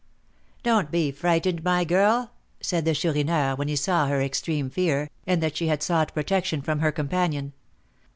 "Don't be frightened, my girl," said the Chourineur, when he saw her extreme fear, and that she had sought protection from her companion.